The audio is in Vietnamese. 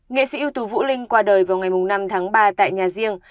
nghệ sĩ ưu tú vũ linh qua đời vào ngày năm tháng ba tại nhà riêng